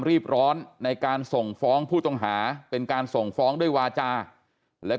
รีบร้อนในการส่งฟ้องผู้ต้องหาเป็นการส่งฟ้องด้วยวาจาและ